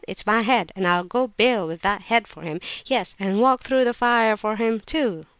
It's my head, and I'll go bail with that head for him! Yes, and walk through the fire for him, too."